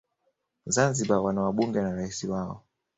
zanzibar wana wabunge na rais wao